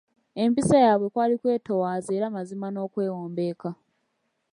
Empisa yaabwe kwali kwetoowaza era mazima n'okwewombeeka.